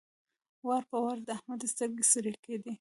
وار په وار د احمد سترګې سرې کېدې.